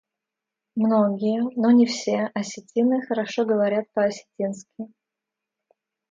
Многие — но не все — осетины хорошо говорят по-осетински.